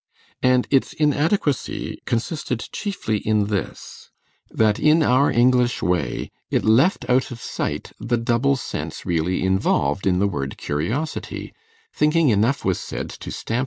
And its inadequacy consisted chiefly in this: that in our English way it left out of sight the double sense really involved in the word curiosity, thinking enough was said to stamp M.